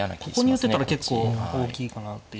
ここに打てたら結構大きいかなっていう。